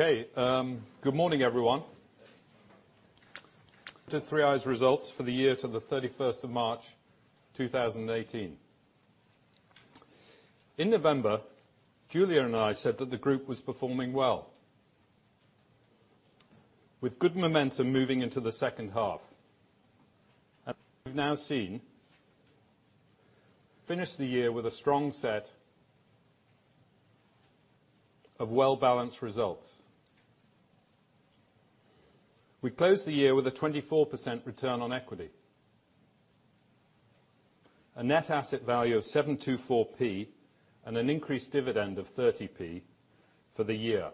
Okay. Good morning, everyone. To 3i's results for the year to the 31st of March 2018. In November, Julia and I said that the group was performing well, with good momentum moving into the second half. As you've now seen, we finished the year with a strong set of well-balanced results. We closed the year with a 24% return on equity, a NAV of 7.24, and an increased dividend of 0.30 for the year.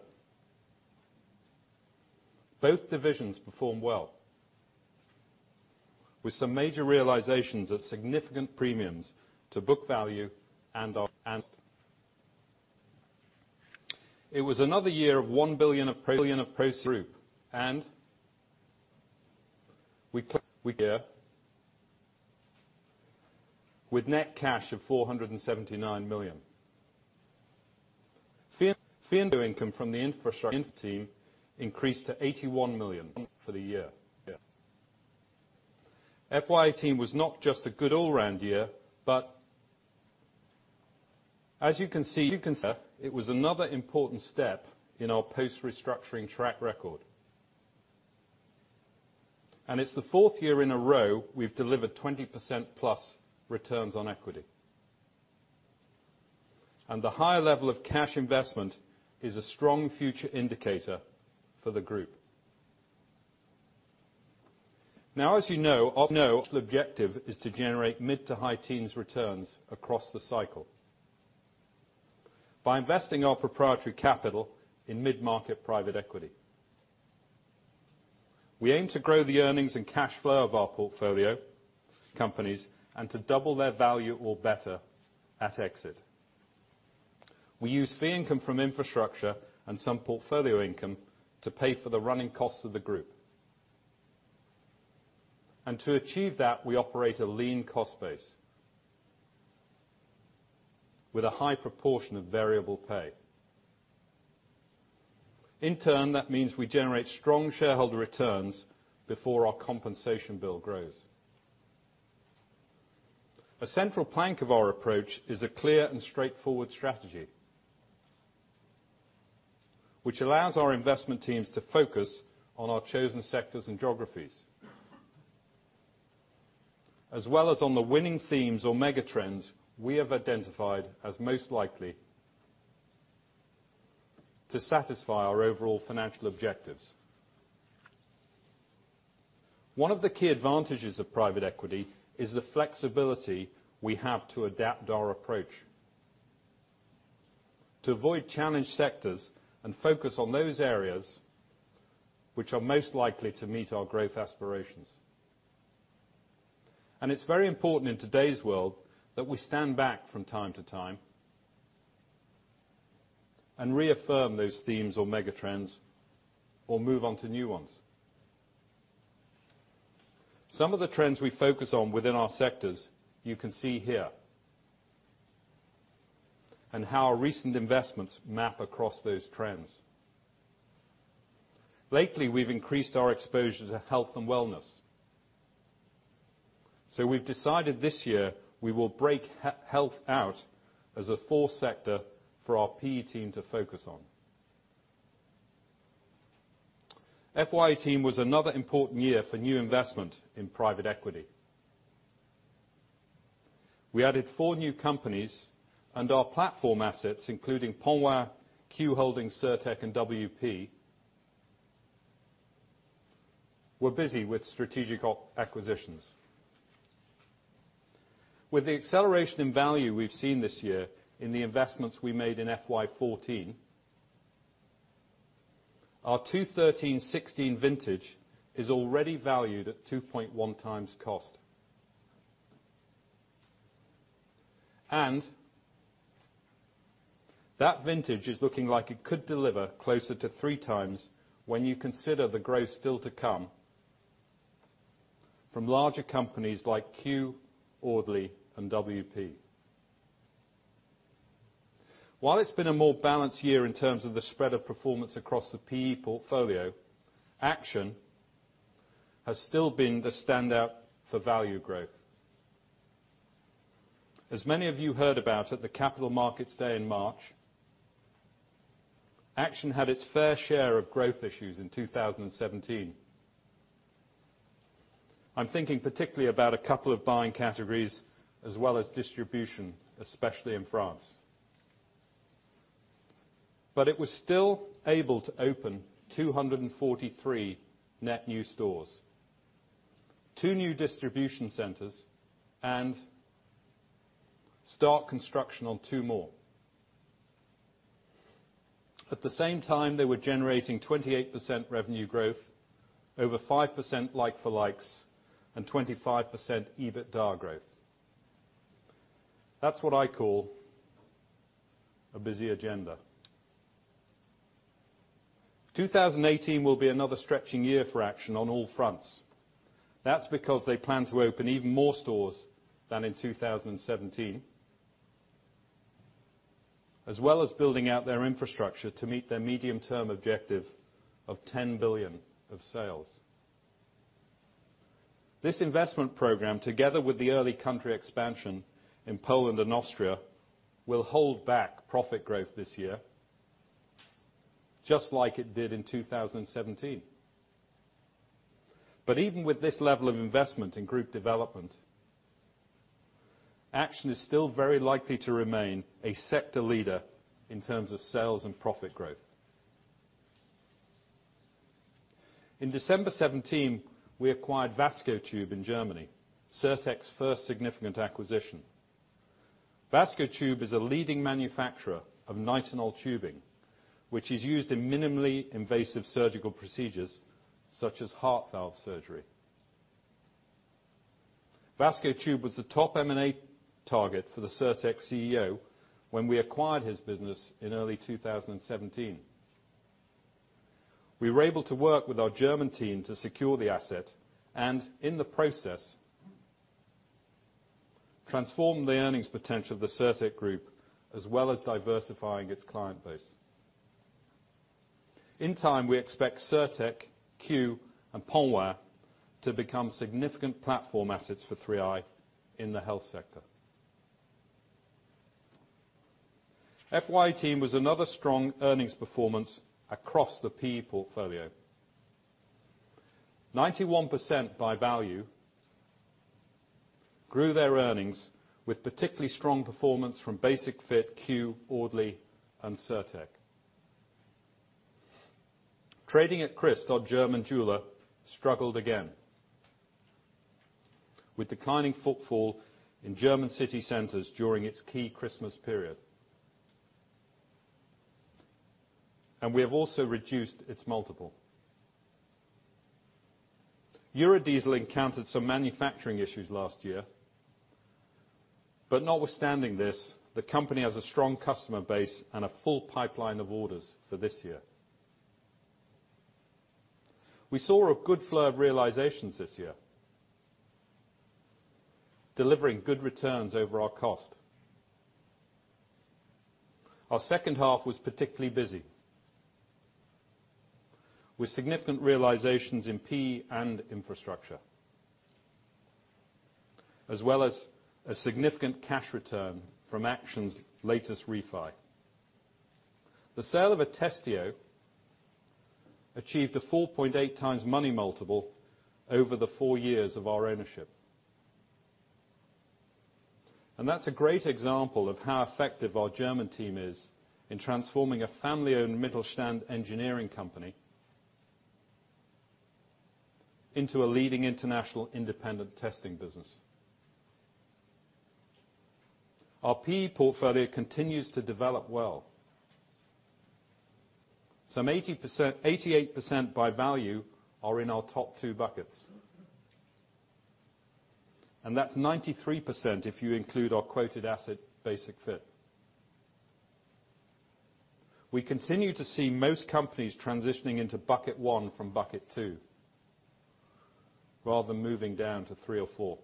Both divisions performed well, with some major realizations of significant premiums to book value and our. It was another year of 1 billion of group, and we with net cash of 475 million. Fee income from the infrastructure team increased to 81 million for the year. FY 2018 was not just a good all-round year, as you can see, it was another important step in our post-restructuring track record. It's the fourth year in a row we've delivered 20% plus returns on equity. The high level of cash investment is a strong future indicator for the group. As you know, our objective is to generate mid-to-high teens returns across the cycle by investing our proprietary capital in mid-market private equity. We aim to grow the earnings and cash flow of our portfolio companies and to double their value or better at exit. We use fee income from infrastructure and some portfolio income to pay for the running costs of the group. To achieve that, we operate a lean cost base with a high proportion of variable pay. In turn, that means we generate strong shareholder returns before our compensation bill grows. A central plank of our approach is a clear and straightforward strategy which allows our investment teams to focus on our chosen sectors and geographies, as well as on the winning themes or mega trends we have identified as most likely to satisfy our overall financial objectives. One of the key advantages of private equity is the flexibility we have to adapt our approach, to avoid challenge sectors and focus on those areas which are most likely to meet our growth aspirations. It's very important in today's world that we stand back from time to time and reaffirm those themes or mega trends or move on to new ones. Some of the trends we focus on within our sectors you can see here and how our recent investments map across those trends. Lately, we've increased our exposure to health and wellness. We've decided this year we will break health out as a fourth sector for our PE team to focus on. FY 2018 was another important year for new investment in private equity. We added four new companies and our platform assets, including Ponroy, Q Holding, Cirtec, and WP, were busy with strategic acquisitions. With the acceleration in value we've seen this year in the investments we made in FY 2014, our 2013-16 vintage is already valued at 2.1 times cost. That vintage is looking like it could deliver closer to three times when you consider the growth still to come from larger companies like Q, Audley, and WP. While it's been a more balanced year in terms of the spread of performance across the PE portfolio, Action has still been the standout for value growth. As many of you heard about at the Capital Markets Day in March, Action had its fair share of growth issues in 2017. I'm thinking particularly about a couple of buying categories as well as distribution, especially in France. It was still able to open 243 net new stores, two new distribution centers, and start construction on two more. At the same time, they were generating 28% revenue growth, over 5% like-for-like, and 25% EBITDA growth. That's what I call a busy agenda. 2018 will be another stretching year for Action on all fronts. That's because they plan to open even more stores than in 2017. As well as building out their infrastructure to meet their medium-term objective of 10 billion of sales. This investment program, together with the early country expansion in Poland and Austria, will hold back profit growth this year, just like it did in 2017. Even with this level of investment in group development, Action is still very likely to remain a sector leader in terms of sales and profit growth. In December 2017, we acquired Vascotube in Germany, Cirtec's first significant acquisition. Vascotube is a leading manufacturer of nitinol tubing, which is used in minimally invasive surgical procedures, such as heart valve surgery. Vascotube was the top M&A target for the Sertec CEO when we acquired his business in early 2017. We were able to work with our German team to secure the asset and, in the process, transform the earnings potential of the Sertec Group, as well as diversifying its client base. In time, we expect Sertec, Q and Ponware to become significant platform assets for 3i in the health sector. FY team was another strong earnings performance across the PE portfolio. 91% by value grew their earnings with particularly strong performance from Basic-Fit, Q, Audley and Sertec. Trading at Christ, our German jeweler, struggled again with declining footfall in German city centers during its key Christmas period. We have also reduced its multiple. EURO-DIESEL encountered some manufacturing issues last year. Notwithstanding this, the company has a strong customer base and a full pipeline of orders for this year. We saw a good flow of realizations this year, delivering good returns over our cost. Our second half was particularly busy, with significant realizations in PE and infrastructure, as well as a significant cash return from Action's latest refi. The sale of ATESTEO achieved a 4.8x money multiple over the four years of our ownership. That's a great example of how effective our German team is in transforming a family-owned Mittelstand engineering company into a leading international independent testing business. Our PE portfolio continues to develop well. Some 88% by value are in our top two buckets. That's 93% if you include our quoted asset, Basic-Fit. We continue to see most companies transitioning into bucket one from bucket two, rather than moving down to three or four.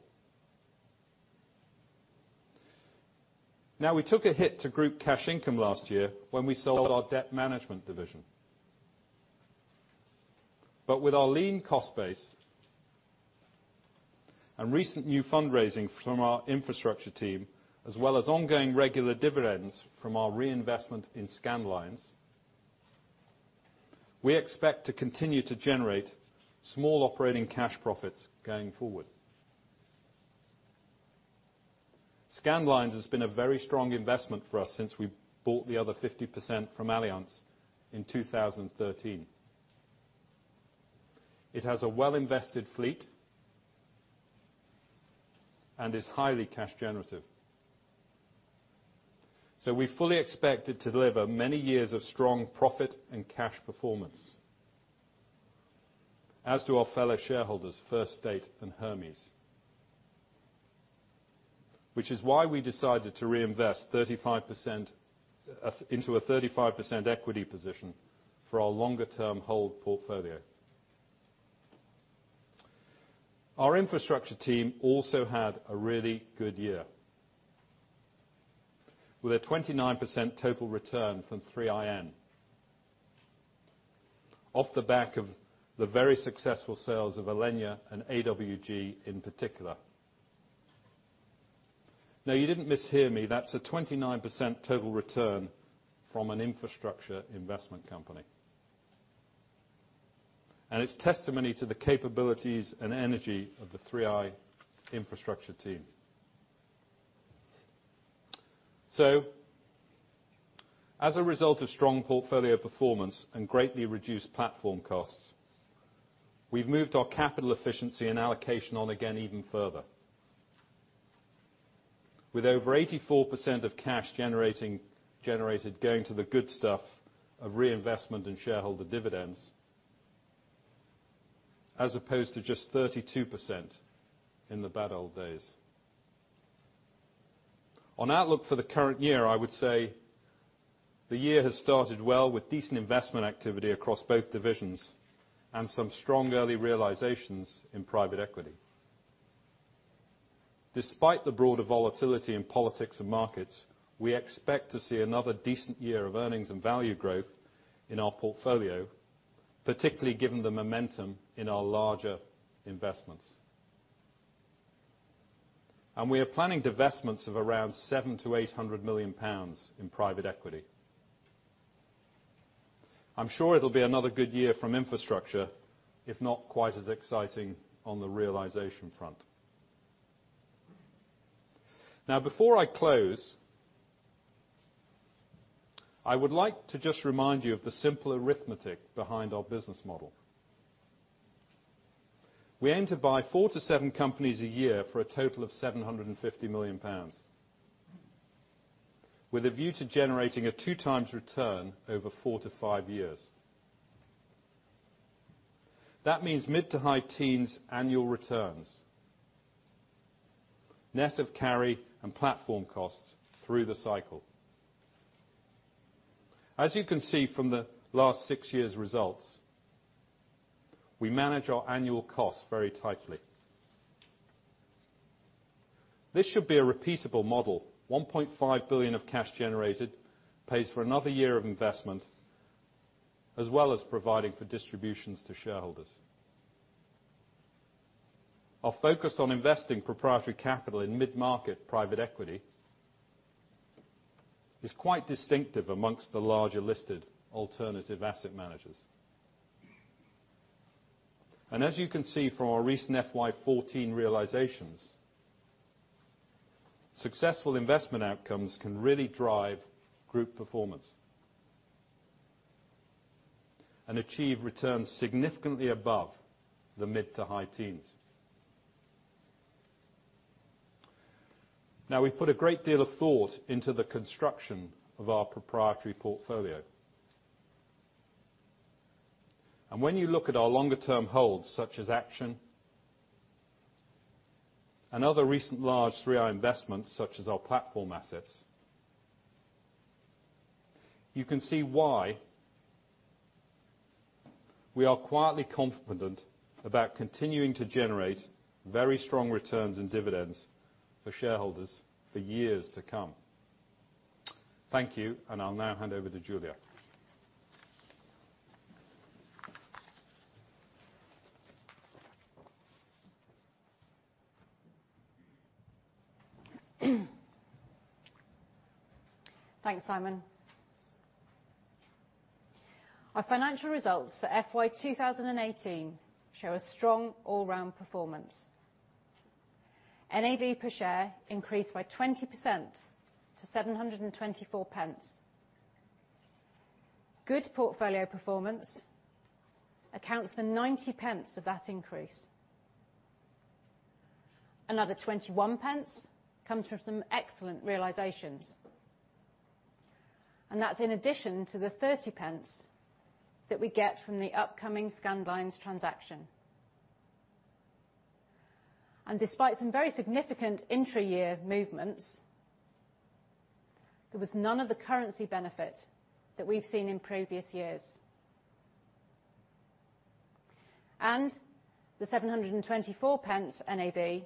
We took a hit to group cash income last year when we sold our debt management division. With our lean cost base and recent new fundraising from our infrastructure team, as well as ongoing regular dividends from our reinvestment in Scandlines, we expect to continue to generate small operating cash profits going forward. Scandlines has been a very strong investment for us since we bought the other 50% from Allianz in 2013. It has a well-invested fleet and is highly cash generative. We fully expect it to deliver many years of strong profit and cash performance, as do our fellow shareholders, First State and Hermes. Which is why we decided to reinvest 35% into a 35% equity position for our longer-term hold portfolio. Our Infrastructure team also had a really good year with a 29% total return from 3iN off the back of the very successful sales of Elenia and AWG in particular. You didn't mishear me. That's a 29% total return from an infrastructure investment company. It's testimony to the capabilities and energy of the 3i Infrastructure team. As a result of strong portfolio performance and greatly reduced platform costs, we've moved our capital efficiency and allocation on again even further. With over 84% of cash generated going to the good stuff of reinvestment in shareholder dividends, as opposed to just 32% in the bad old days. On outlook for the current year, I would say the year has started well with decent investment activity across both divisions and some strong early realizations in private equity. Despite the broader volatility in politics and markets, we expect to see another decent year of earnings and value growth in our portfolio, particularly given the momentum in our larger investments. We are planning divestments of around 700 million-800 million pounds in private equity. I'm sure it'll be another good year from infrastructure, if not quite as exciting on the realization front. Before I close, I would like to just remind you of the simple arithmetic behind our business model. We aim to buy four to seven companies a year for a total of 750 million pounds, with a view to generating a two times return over four to five years. That means mid to high teens annual returns, net of carry and platform costs through the cycle. As you can see from the last six years' results, we manage our annual costs very tightly. This should be a repeatable model. 1.5 billion of cash generated pays for another year of investment, as well as providing for distributions to shareholders. Our focus on investing proprietary capital in mid-market private equity is quite distinctive amongst the larger listed alternative asset managers. As you can see from our recent FY 2014 realizations, successful investment outcomes can really drive group performance and achieve returns significantly above the mid to high teens. We've put a great deal of thought into the construction of our proprietary portfolio. When you look at our longer term holds such as Action and other recent large 3i investments such as our platform assets, you can see why we are quietly confident about continuing to generate very strong returns and dividends for shareholders for years to come. Thank you. I'll now hand over to Julia. Thanks, Simon. Our financial results for FY 2018 show a strong all-round performance. NAV per share increased by 20% to 7.24. Good portfolio performance accounts for 0.90 of that increase. Another 0.21 comes from some excellent realizations, and that's in addition to the 0.30 that we get from the upcoming Scandlines transaction. Despite some very significant intra-year movements, there was none of the currency benefit that we've seen in previous years. The GBP 7.24 NAV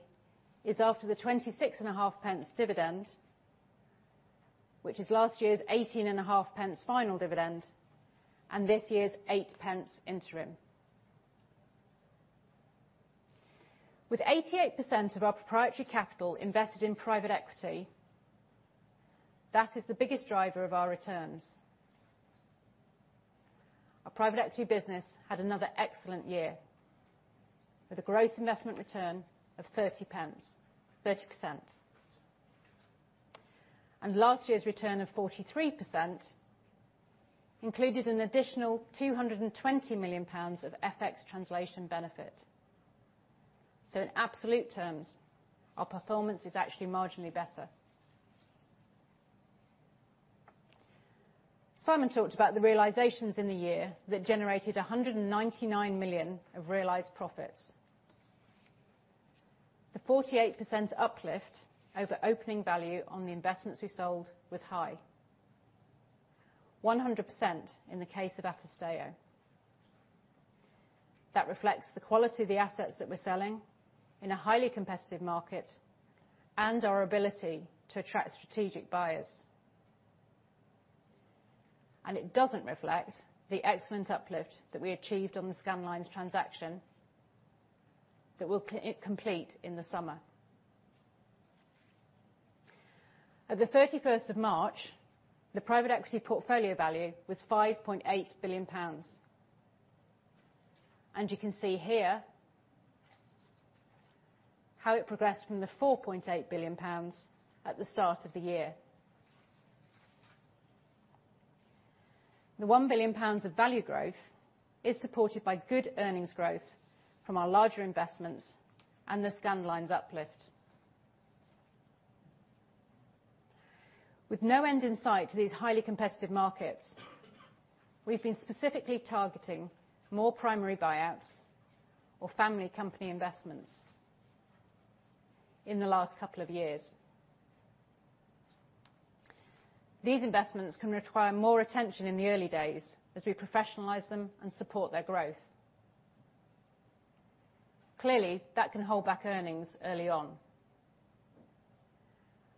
is after the 0.265 dividend, which is last year's 0.185 final dividend and this year's 0.08 interim. With 88% of our proprietary capital invested in private equity, that is the biggest driver of our returns. Our private equity business had another excellent year, with a gross investment return of GBP 30%. Last year's return of 43% included an additional 220 million pounds of FX translation benefit. In absolute terms, our performance is actually marginally better. Simon talked about the realizations in the year that generated 199 million of realized profits. The 48% uplift over opening value on the investments we sold was high. 100% in the case of ATESTEO. That reflects the quality of the assets that we're selling in a highly competitive market and our ability to attract strategic buyers. It doesn't reflect the excellent uplift that we achieved on the Scandlines transaction that we'll complete in the summer. At the 31st of March, the private equity portfolio value was 5.8 billion pounds and you can see here how it progressed from the 4.8 billion pounds at the start of the year. The 1 billion pounds of value growth is supported by good earnings growth from our larger investments and the Scandlines uplift. With no end in sight to these highly competitive markets we've been specifically targeting more primary buyouts or family company investments In the last couple of years. These investments can require more attention in the early days as we professionalize them and support their growth. Clearly, that can hold back earnings early on,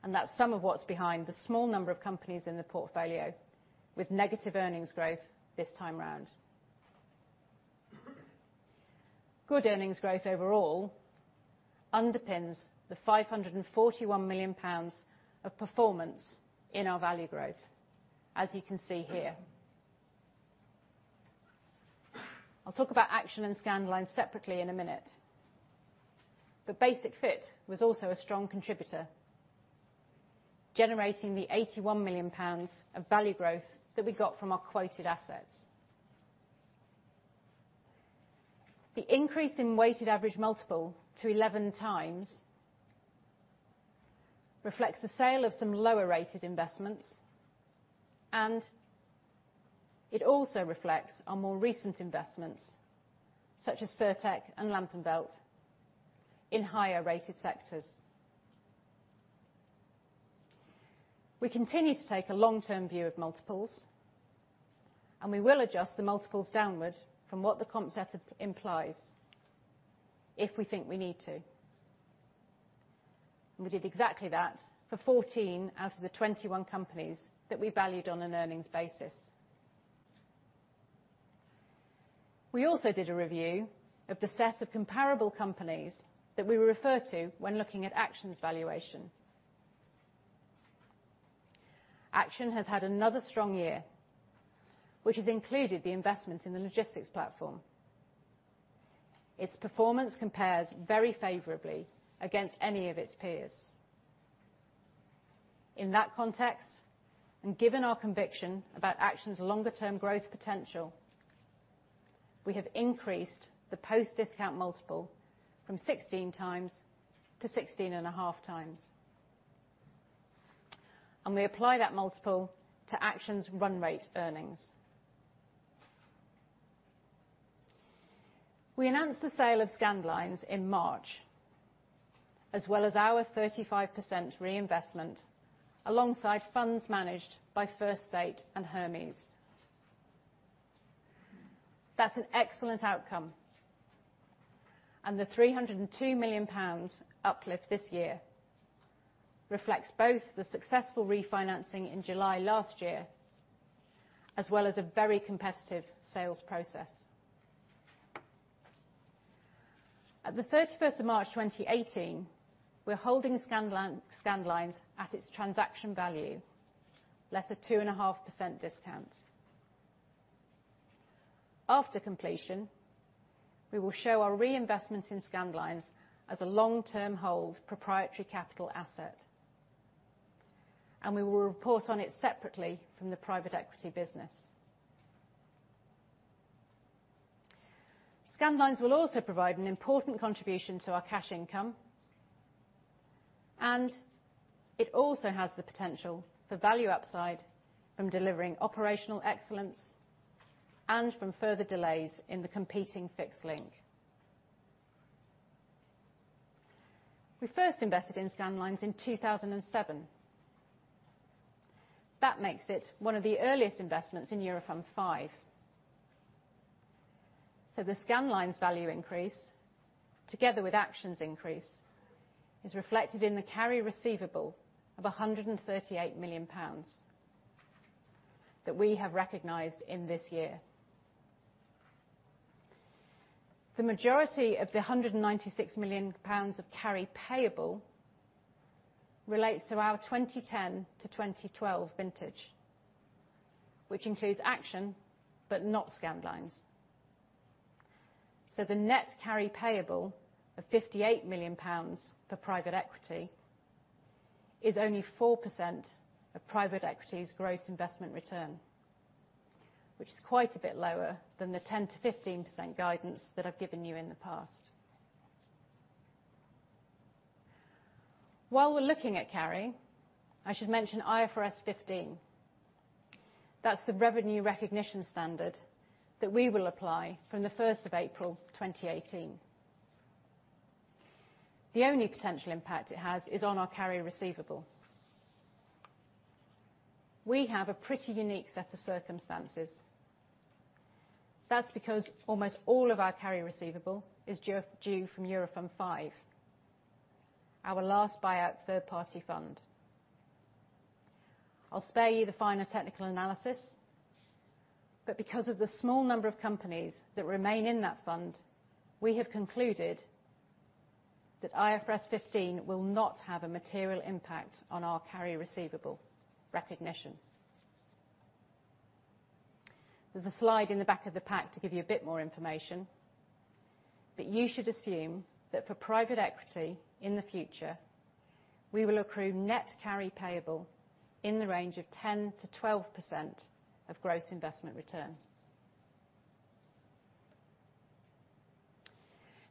and that's some of what's behind the small number of companies in the portfolio with negative earnings growth this time round. Good earnings growth overall underpins the 541 million pounds of performance in our value growth, as you can see here. I'll talk about Action and Scandlines separately in a minute. Basic-Fit was also a strong contributor, generating the 81 million pounds of value growth that we got from our quoted assets. The increase in weighted average multiple to 11x reflects the sale of some lower-rated investments, and it also reflects our more recent investments, such as Sertec and Lampenwelt, in higher-rated sectors. We continue to take a long-term view of multiples, and we will adjust the multiples downward from what the comp set implies if we think we need to. We did exactly that for 14 out of the 21 companies that we valued on an earnings basis. We also did a review of the set of comparable companies that we refer to when looking at Action's valuation. Action has had another strong year, which has included the investment in the logistics platform. Its performance compares very favorably against any of its peers. In that context, Given our conviction about Action's longer term growth potential, we have increased the post-discount multiple from 16x to 16.5x. We apply that multiple to Action's run rate earnings. We announced the sale of Scandlines in March, as well as our 35% reinvestment alongside funds managed by First State and Hermes. That's an excellent outcome, and the 302 million pounds uplift this year reflects both the successful refinancing in July last year, as well as a very competitive sales process. At the 31st of March 2018, we're holding Scandlines at its transaction value, less a 2.5% discount. After completion, we will show our reinvestment in Scandlines as a long-term hold proprietary capital asset, and we will report on it separately from the private equity business. Scandlines will also provide an important contribution to our cash income, and it also has the potential for value upside from delivering operational excellence and from further delays in the competing fixed link. We first invested in Scandlines in 2007. That makes it one of the earliest investments in Eurofund V. The Scandlines value increase, together with Action's increase, is reflected in the carry receivable of 138 million pounds that we have recognized in this year. The majority of the 196 million pounds of carry payable relates to our 2010 to 2012 vintage, which includes Action, but not Scandlines. The net carry payable of 58 million pounds for private equity is only 4% of private equity's gross investment return, which is quite a bit lower than the 10%-15% guidance that I've given you in the past. While we're looking at carry, I should mention IFRS 15. That's the revenue recognition standard that we will apply from the 1st of April 2018. The only potential impact it has is on our carry receivable. We have a pretty unique set of circumstances. That's because almost all of our carry receivable is due from Eurofund V, our last buyout third-party fund. I'll spare you the finer technical analysis, but because of the small number of companies that remain in that fund, we have concluded that IFRS 15 will not have a material impact on our carry receivable recognition. There's a slide in the back of the pack to give you a bit more information, but you should assume that for private equity in the future, we will accrue net carry payable in the range of 10%-12% of gross investment return.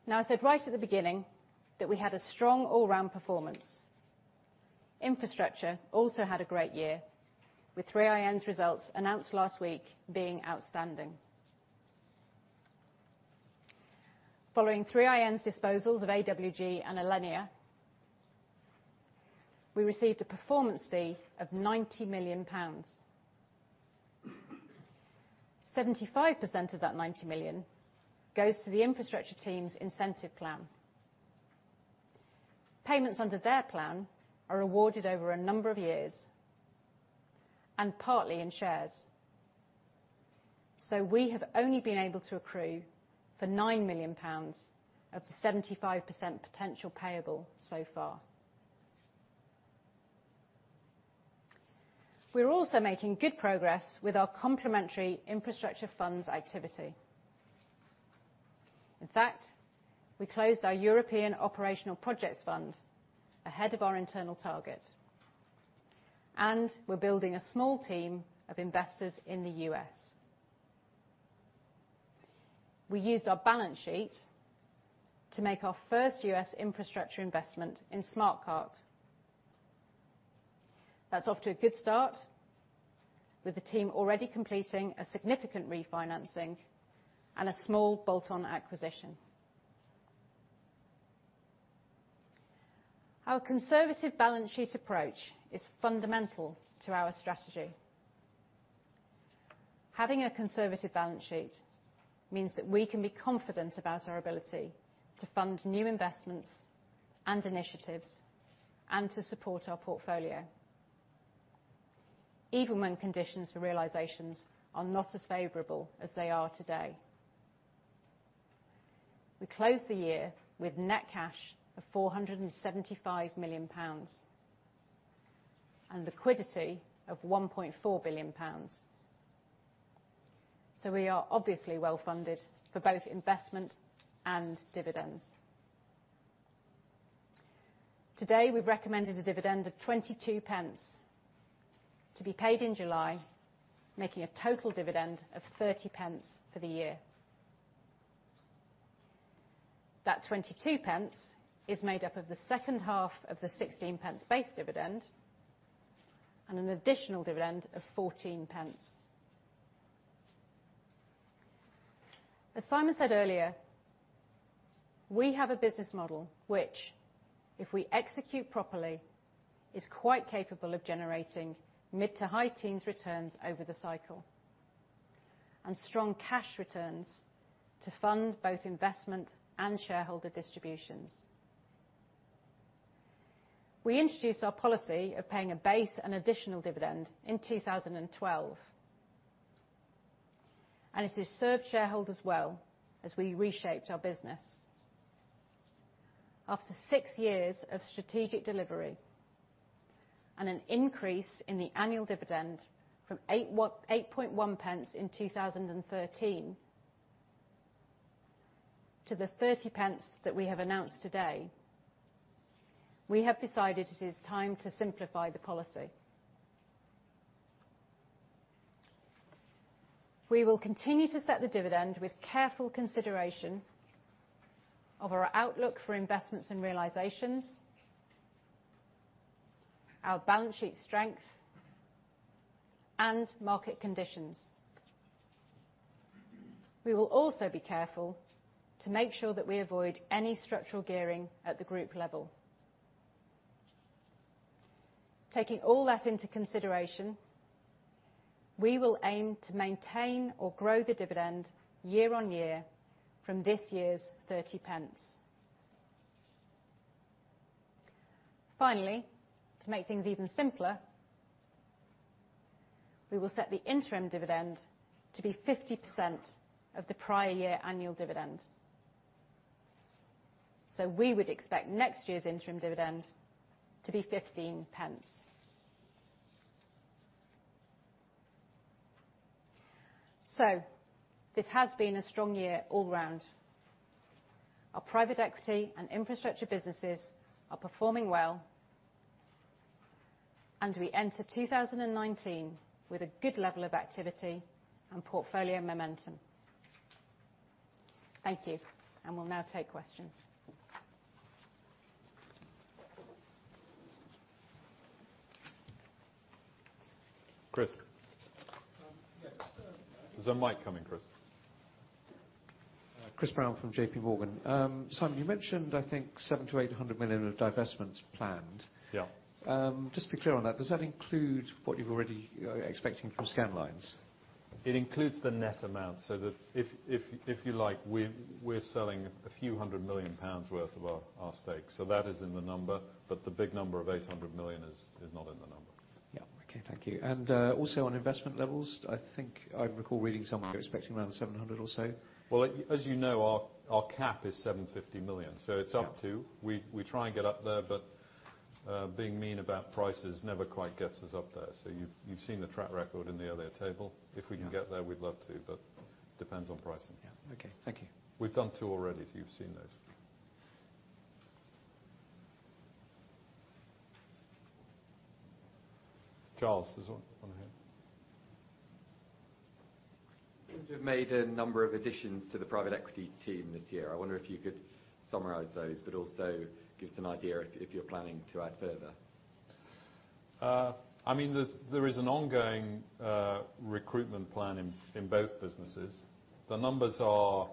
I said right at the beginning that we had a strong all-round performance. Infrastructure also had a great year, with 3iN's results announced last week being outstanding. Following 3iN's disposals of AWG and Elenia, we received a performance fee of 90 million pounds. 75% of that 90 million goes to the infrastructure team's incentive plan. Payments under their plan are awarded over a number of years and partly in shares. We have only been able to accrue for 9 million pounds of the 75% potential payable so far. We're also making good progress with our complementary infrastructure funds activity. In fact, we closed our European Operational Projects Fund ahead of our internal target, and we're building a small team of investors in the U.S. We used our balance sheet to make our first U.S. infrastructure investment in Smarte Carte. That's off to a good start, with the team already completing a significant refinancing and a small bolt-on acquisition. Our conservative balance sheet approach is fundamental to our strategy. Having a conservative balance sheet means that we can be confident about our ability to fund new investments and initiatives, and to support our portfolio, even when conditions for realizations are not as favorable as they are today. We closed the year with net cash of 475 million pounds and liquidity of 1.4 billion pounds. We are obviously well-funded for both investment and dividends. Today, we've recommended a dividend of 0.22 to be paid in July, making a total dividend of 0.30 for the year. That 0.22 is made up of the second half of the 0.16 base dividend and an additional dividend of 0.14. As Simon said earlier, we have a business model which, if we execute properly, is quite capable of generating mid-to-high teens returns over the cycle, and strong cash returns to fund both investment and shareholder distributions. We introduced our policy of paying a base and additional dividend in 2012, and it has served shareholders well as we reshaped our business. After six years of strategic delivery and an increase in the annual dividend from 0.081 in 2013 to the 0.30 that we have announced today, we have decided it is time to simplify the policy. We will continue to set the dividend with careful consideration of our outlook for investments and realizations, our balance sheet strength, and market conditions. We will also be careful to make sure that we avoid any structural gearing at the group level. Taking all that into consideration, we will aim to maintain or grow the dividend year-on-year from this year's GBP 0.30. Finally, to make things even simpler, we will set the interim dividend to be 50% of the prior year annual dividend. We would expect next year's interim dividend to be GBP 0.15. This has been a strong year all round. Our private equity and infrastructure businesses are performing well, and we enter 2019 with a good level of activity and portfolio momentum. Thank you, and we'll now take questions. Chris. Yes. There's a mic coming, Chris. Chris Brown from J.P. Morgan. Simon, you mentioned, I think 700 million-800 million of divestments planned? Yeah. Just to be clear on that, does that include what you're already expecting from Scandlines? It includes the net amount. That if you like, we're selling a few hundred million GBP worth of our stake. That is in the number, the big number of 800 million is not in the number. Yeah. Okay. Thank you. Also on investment levels, I think I recall reading somewhere you're expecting around 700 or so? Well, as you know, our cap is 750 million. Yeah. It's up to. We try and get up there, being mean about prices never quite gets us up there. You've seen the track record in the earlier table. Yeah. If we can get there, we'd love to. It depends on pricing. Yeah. Okay. Thank you. We've done two already, so you've seen those. Charles, there's one ahead. You have made a number of additions to the private equity team this year. I wonder if you could summarize those, but also give us an idea if you're planning to add further. There is an ongoing recruitment plan in both businesses. The numbers are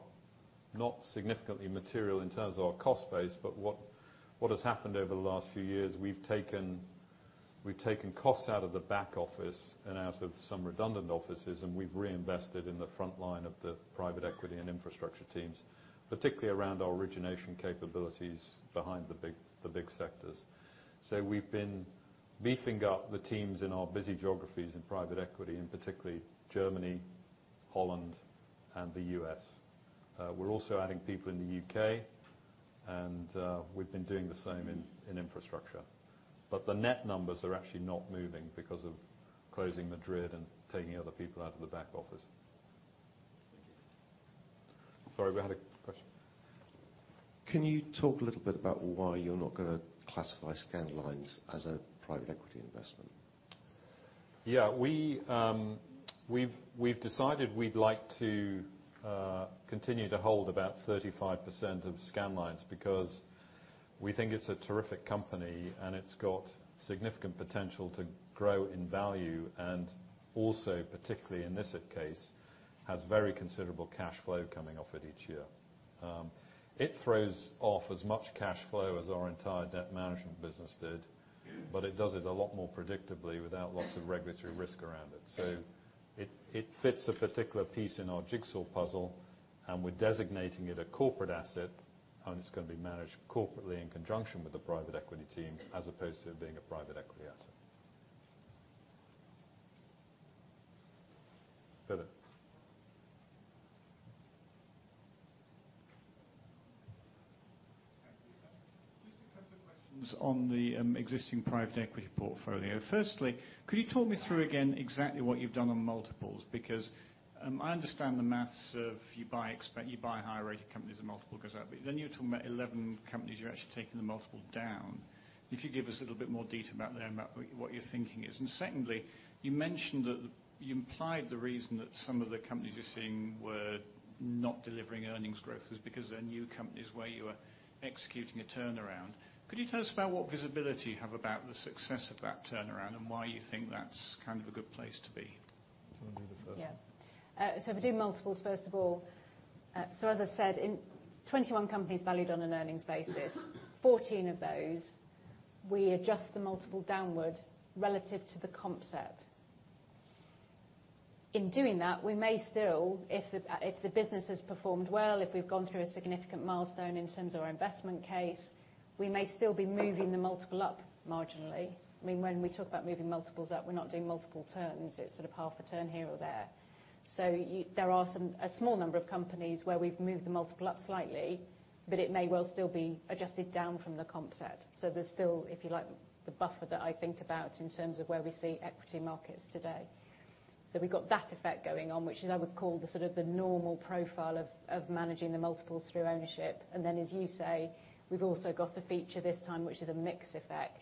not significantly material in terms of our cost base. What has happened over the last few years, we've taken costs out of the back office and out of some redundant offices, and we've reinvested in the front line of the private equity and infrastructure teams, particularly around our origination capabilities behind the big sectors. We've been beefing up the teams in our busy geographies in private equity, in particularly Germany, Holland, and the U.S. We're also adding people in the U.K., and we've been doing the same in infrastructure. The net numbers are actually not moving because of closing Madrid and taking other people out of the back office. Thank you. Sorry, we had a question. Can you talk a little bit about why you're not going to classify Scandlines as a private equity investment? Yeah. We've decided we'd like to continue to hold about 35% of Scandlines because we think it's a terrific company, and it's got significant potential to grow in value and also, particularly in this case, has very considerable cash flow coming off it each year. It throws off as much cash flow as our entire debt management business did, but it does it a lot more predictably without lots of regulatory risk around it. It fits a particular piece in our jigsaw puzzle, and we're designating it a corporate asset, and it's going to be managed corporately in conjunction with the private equity team as opposed to it being a private equity asset. Philip. Thank you. Just a couple of questions on the existing private equity portfolio. I understand the maths of you buy higher rated companies, the multiple goes up. You were talking about 11 companies, you're actually taking the multiple down. If you could give us a little bit more detail about what your thinking is. Secondly, you implied the reason that some of the companies you're seeing were not delivering earnings growth was because they're new companies where you are executing a turnaround. Could you tell us about what visibility you have about the success of that turnaround and why you think that's kind of a good place to be? Do you want to do the first? Yeah. If we do multiples, first of all, as I said, in 21 companies valued on an earnings basis, 14 of those, we adjust the multiple downward relative to the comp set. In doing that, we may still, if the business has performed well, if we've gone through a significant milestone in terms of our investment case, we may still be moving the multiple up marginally. When we talk about moving multiples up, we're not doing multiple turns. It's sort of half a turn here or there. There are a small number of companies where we've moved the multiple up slightly, but it may well still be adjusted down from the comp set. There's still, if you like, the buffer that I think about in terms of where we see equity markets today. We've got that effect going on, which is I would call the sort of the normal profile of managing the multiples through ownership. As you say, we've also got a feature this time, which is a mix effect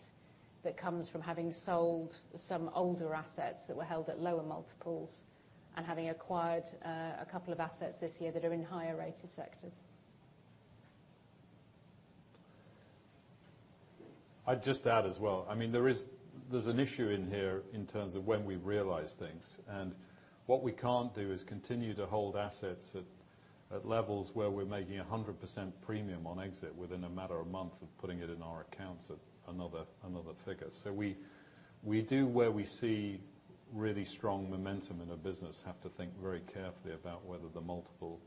that comes from having sold some older assets that were held at lower multiples and having acquired a couple of assets this year that are in higher-rated sectors. I'd just add as well, there's an issue in here in terms of when we realize things. What we can't do is continue to hold assets at levels where we're making 100% premium on exit within a matter of months of putting it in our accounts at another figure. We do, where we see really strong momentum in a business, have to think very carefully about whether the multiple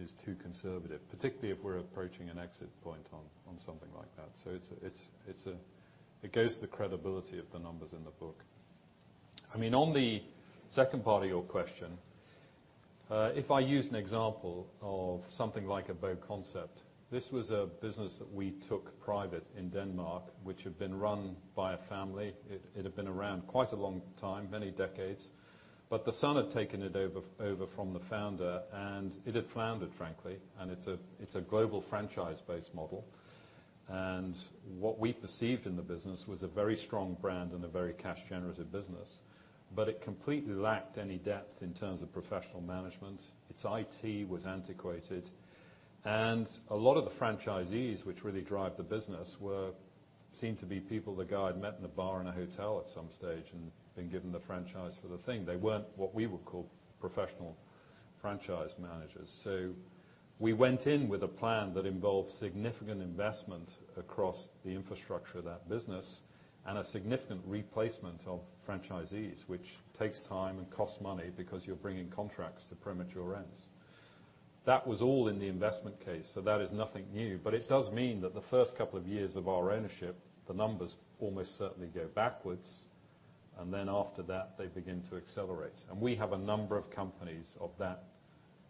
is too conservative, particularly if we're approaching an exit point on something like that. It goes to the credibility of the numbers in the book. On the second part of your question, if I use an example of something like a BoConcept. This was a business that we took private in Denmark, which had been run by a family. It had been around quite a long time, many decades. The son had taken it over from the founder, it had floundered, frankly, it's a global franchise-based model. What we perceived in the business was a very strong brand and a very cash-generative business. It completely lacked any depth in terms of professional management. Its IT was antiquated. A lot of the franchisees, which really drive the business, seemed to be people the guy had met in a bar in a hotel at some stage and been given the franchise for the thing. They weren't what we would call professional franchise managers. We went in with a plan that involved significant investment across the infrastructure of that business and a significant replacement of franchisees, which takes time and costs money because you're bringing contracts to premature ends. That was all in the investment case, that is nothing new. It does mean that the first couple of years of our ownership, the numbers almost certainly go backwards, then after that, they begin to accelerate. We have a number of companies of that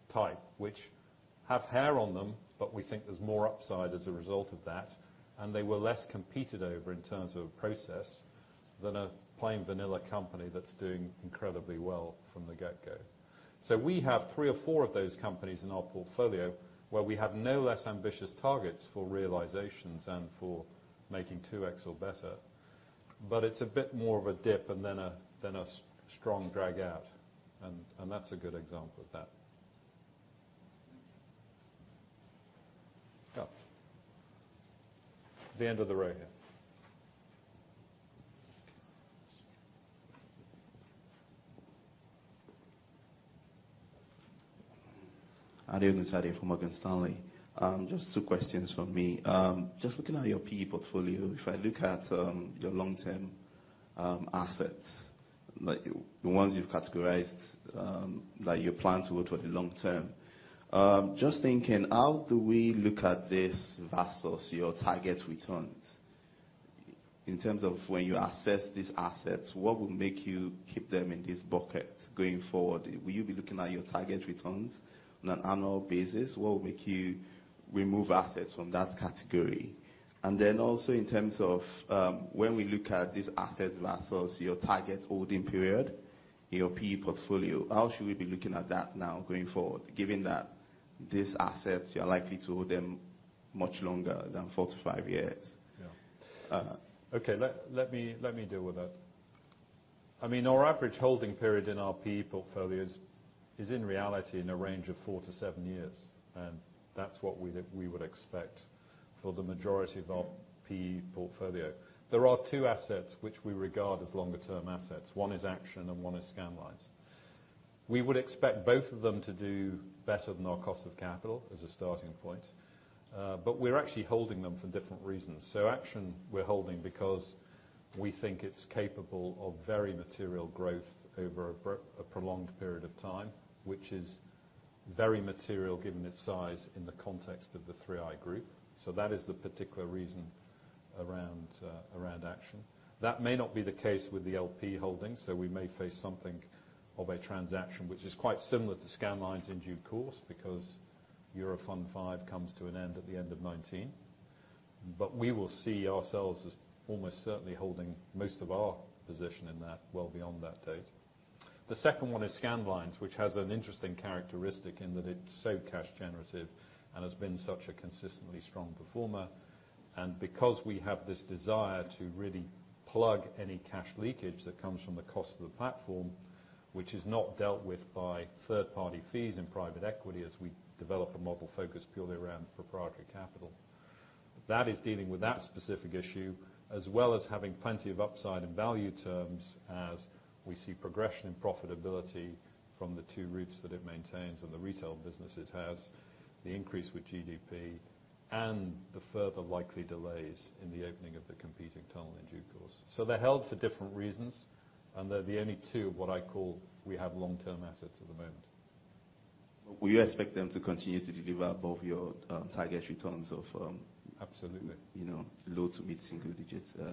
type which have hair on them, we think there's more upside as a result of that, they were less competed over in terms of process than a plain vanilla company that's doing incredibly well from the get-go. We have three or four of those companies in our portfolio where we have no less ambitious targets for realizations than for making 2X or better, it's a bit more of a dip then a strong drag out. That's a good example of that. The end of the row here. Adetiosan Adediran from Morgan Stanley. Two questions from me. Looking at your PE portfolio, if I look at your long-term assets, the ones you've categorized that you plan to hold for the long term, thinking how do we look at this versus your target returns? In terms of when you assess these assets, what would make you keep them in this bucket going forward? Will you be looking at your target returns on an annual basis? What would make you remove assets from that category? Also in terms of when we look at these assets versus your target holding period, your PE portfolio, how should we be looking at that now going forward, given that these assets, you're likely to hold them much longer than four to five years? Let me deal with that. Our average holding period in our PE portfolios is, in reality, in a range of four to seven years, that's what we would expect for the majority of our PE portfolio. There are two assets which we regard as longer term assets. One is Action and one is Scandlines. We would expect both of them to do better than our cost of capital as a starting point. We're actually holding them for different reasons. Action we're holding because we think it's capable of very material growth over a prolonged period of time, which is very material given its size in the context of the 3i Group. That is the particular reason around Action. We may face something of a transaction, which is quite similar to Scandlines in due course because Eurofund V comes to an end at the end of 2019. We will see ourselves as almost certainly holding most of our position in that well beyond that date. The second one is Scandlines, which has an interesting characteristic in that it's so cash generative and has been such a consistently strong performer. Because we have this desire to really plug any cash leakage that comes from the cost of the platform, which is not dealt with by third-party fees in private equity as we develop a model focused purely around proprietary capital. That is dealing with that specific issue, as well as having plenty of upside in value terms as we see progression in profitability from the two routes that it maintains and the retail business it has, the increase with GDP, the further likely delays in the opening of the competing tunnel in due course. They're held for different reasons, they're the only two what I call we have long-term assets at the moment. Will you expect them to continue to deliver above your target returns of Absolutely low to mid-single digits Yeah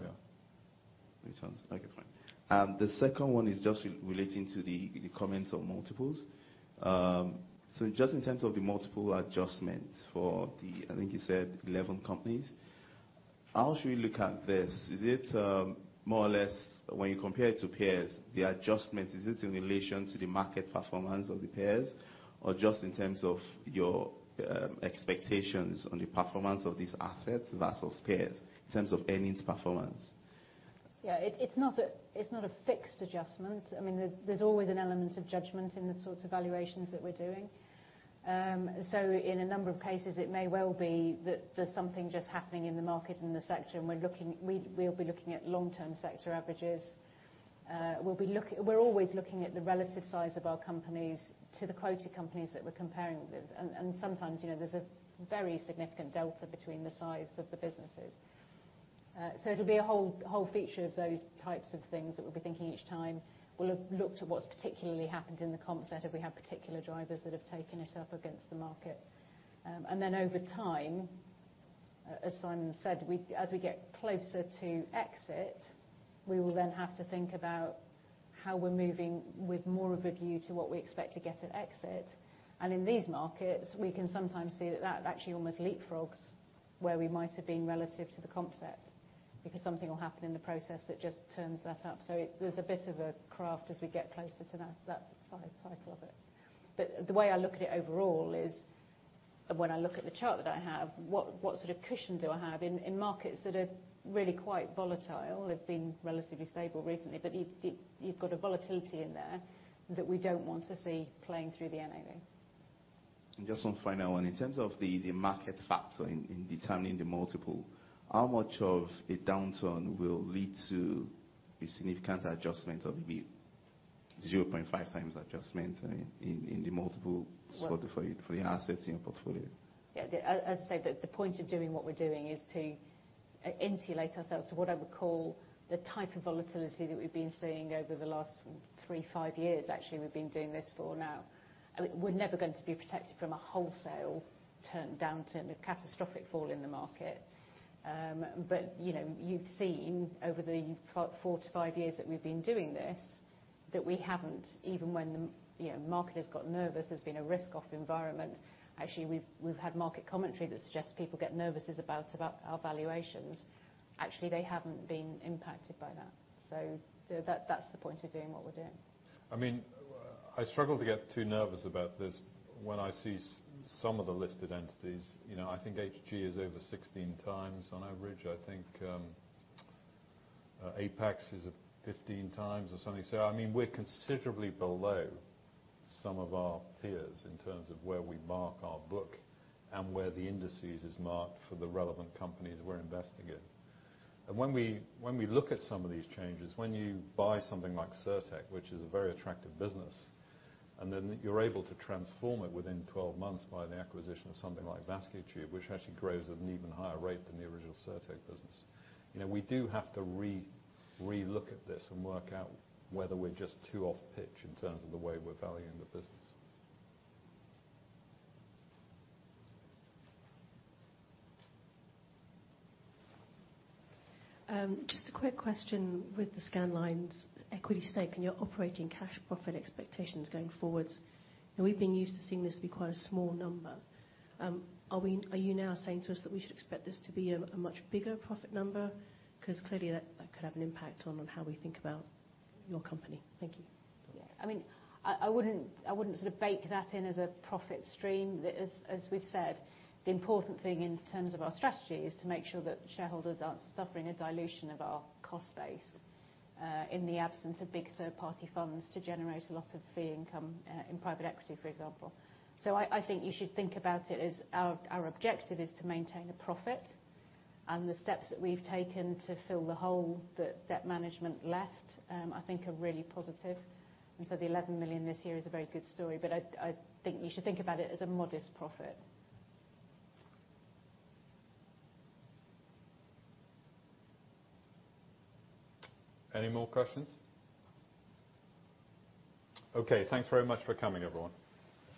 returns? Okay, fine. The second one is just relating to the comments on multiples. Just in terms of the multiple adjustments for the, I think you said 11 companies, how should we look at this? Is it more or less when you compare it to peers, the adjustment, is it in relation to the market performance of the peers? Just in terms of your expectations on the performance of these assets versus peers in terms of earnings performance? Yeah. It's not a fixed adjustment. There's always an element of judgment in the sorts of valuations that we're doing. In a number of cases, it may well be that there's something just happening in the market and the sector, and we'll be looking at long-term sector averages. We're always looking at the relative size of our companies to the quoted companies that we're comparing with. Sometimes, there's a very significant delta between the size of the businesses. It'll be a whole feature of those types of things that we'll be thinking each time. We'll have looked at what's particularly happened in the comp set if we have particular drivers that have taken us up against the market. Over time, as Simon said, as we get closer to exit, we will then have to think about how we're moving with more of a view to what we expect to get at exit. In these markets, we can sometimes see that that actually almost leapfrogs where we might have been relative to the comp set, because something will happen in the process that just turns that up. There's a bit of a craft as we get closer to that side cycle of it. The way I look at it overall is when I look at the chart that I have, what sort of cushion do I have in markets that are really quite volatile? They've been relatively stable recently, but you've got a volatility in there that we don't want to see playing through the NAV. Just one final one. In terms of the market factor in determining the multiple, how much of a downturn will lead to a significant adjustment or maybe 0.5 times adjustment in the multiples- What- for the assets in your portfolio? As I said, the point of doing what we're doing is to insulate ourselves to what I would call the type of volatility that we've been seeing over the last three, five years, actually, we've been doing this for now. We're never going to be protected from a wholesale turn downturn, a catastrophic fall in the market. You've seen over the four to five years that we've been doing this, that we haven't, even when the market has got nervous, there's been a risk-off environment. Actually, we've had market commentary that suggests people get nervous about our valuations. Actually, they haven't been impacted by that. That's the point of doing what we're doing. I struggle to get too nervous about this when I see some of the listed entities. I think Hg is over 16 times on average. I think Apax is at 15 times or something. We're considerably below some of our peers in terms of where we mark our book and where the indices is marked for the relevant companies we're investing in. When we look at some of these changes, when you buy something like Sertec, which is a very attractive business, and then you're able to transform it within 12 months by the acquisition of something like Vascotube, which actually grows at an even higher rate than the original Sertec business. We do have to re-look at this and work out whether we're just too off-pitch in terms of the way we're valuing the business. Just a quick question with the Scandlines equity stake and your operating cash profit expectations going forwards. We've been used to seeing this be quite a small number. Are you now saying to us that we should expect this to be a much bigger profit number? Clearly that could have an impact on how we think about your company. Thank you. Yeah. I wouldn't sort of bake that in as a profit stream. As we've said, the important thing in terms of our strategy is to make sure that shareholders aren't suffering a dilution of our cost base in the absence of big third-party funds to generate a lot of fee income in private equity, for example. I think you should think about it as our objective is to maintain a profit, and the steps that we've taken to fill the hole that debt management left, I think are really positive. The 11 million this year is a very good story. I think you should think about it as a modest profit. Any more questions? Okay. Thanks very much for coming, everyone.